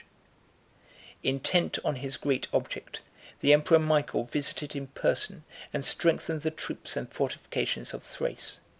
] Intent on his great object, the emperor Michael visited in person and strengthened the troops and fortifications of Thrace.